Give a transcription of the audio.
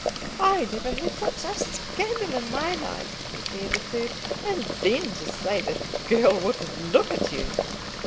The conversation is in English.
"I never heard such a scandal in my life," declared a third; "and then to say that the girl wouldn't look at you."